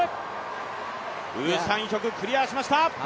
ウ・サンヒョククリアしました。